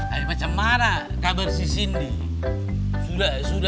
ya pacem mana kabar si cindy